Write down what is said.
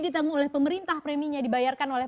ditemui oleh pemerintah preminya dibayarkan oleh